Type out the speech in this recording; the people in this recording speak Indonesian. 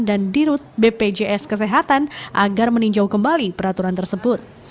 dan dirut bpjs kesehatan agar meninjau kembali peraturan tersebut